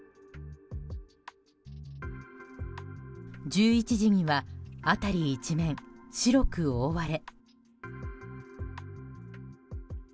１１時には辺り一面白く覆われ。